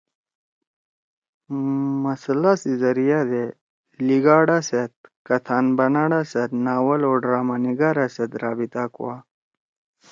مثلاًسی ذریعہ دےلیِگاڑا سیت، کھتآن بناڑا سیت، ناول او ڈراما نگارا سیے رابطہ کوا۔